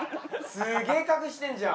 すげぇ隠してんじゃん。